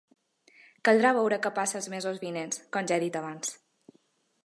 Caldrà veure què passa els mesos vinents, com ja he dit abans.